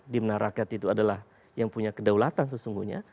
dimana rakyat itu adalah yang punya kedaulatan sesungguhnya